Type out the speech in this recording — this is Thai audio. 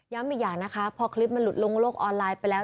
อีกอย่างนะคะพอคลิปมันหลุดลงโลกออนไลน์ไปแล้ว